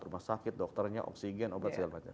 rumah sakit dokternya oksigen obat segala macam